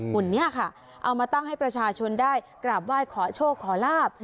หุ่นนี้ค่ะเอามาตั้งให้ประชาชนได้กราบไหว้ขอโชคขอลาบ